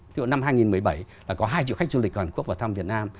thì vào năm hai nghìn một mươi bảy có hai triệu khách du lịch hàn quốc vào thăm việt nam